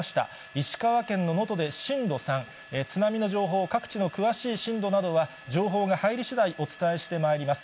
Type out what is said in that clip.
石川県の能登で震度３、津波の情報、各地の詳しい震度などは、情報が入りしだい、お伝えしてまいります。